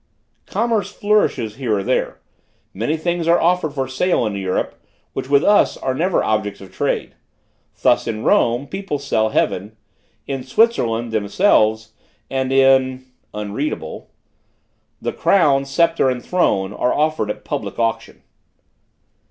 "Commerce flourishes here and there; many things are offered for sale in Europe, which with us are never objects of trade. Thus in Rome, people sell heaven; in Switzerland, themselves; and in , the crown, sceptre and throne are offered at public auction.